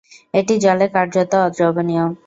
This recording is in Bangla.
এটি জলে কার্যত অদ্রবণীয়।